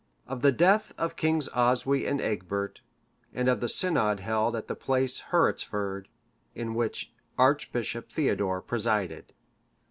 Of the death of the kings Oswy and Egbert, and of the synod held at the place Herutford,(560) in which Archbishop Theodore presided.